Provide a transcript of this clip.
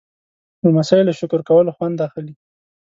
لمسی له شکر کولو خوند اخلي.